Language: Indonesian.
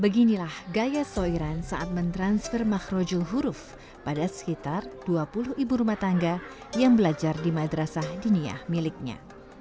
beginilah gaya soiran saat mentransfer makhrojul huruf pada sekitar dua puluh ibu rumah tangga yang belajar di madrasah diniah miliknya